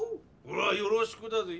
ほらよろしくだぜ。